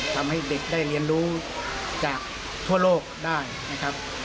ทำให้เด็กได้เรียนรู้จากทั่วโลกได้นะครับ